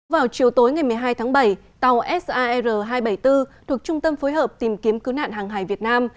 vào chiều tối ngày một mươi hai tháng bảy tàu sar hai trăm bảy mươi bốn thuộc trung tâm phối hợp tìm kiếm cứu nạn hàng hải việt nam